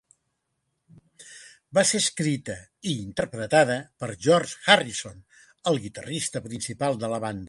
Va ser escrita i interpretada per George Harrison, el guitarrista principal de la banda.